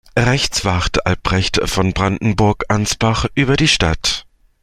Rechts wacht Albrecht von Brandenburg-Ansbach über die Stadt.